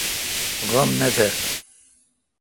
غم نہ تہ۔